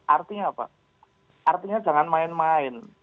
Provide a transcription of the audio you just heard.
artinya apa artinya jangan main main gitu loh